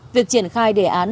việc triển khai đề án